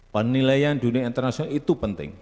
penilaian dunia internasional itu penting